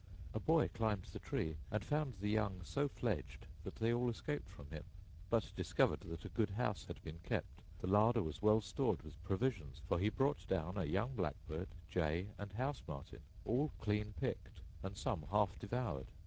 A boy climbed the tree, and found the young so fledged that they all escaped from him: but discovered that a good house had been kept: the larder was well stored with provisions; for he brought down a young blackbird, jay, and house martin, all clean picked, and some half devoured.